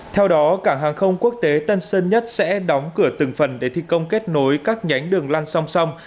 theo đó cảng hàng không quốc tế tân sơn nhất sẽ đóng cửa từng phần để thi công kết nối các nhánh đường lăn song song